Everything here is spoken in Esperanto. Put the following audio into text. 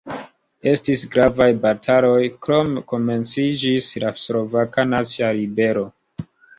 Estis gravaj bataloj, krome komenciĝis la Slovaka Nacia Ribelo.